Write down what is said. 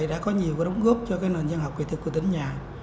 đã có nhiều đóng góp cho nền văn học kỹ thực của tỉnh nhà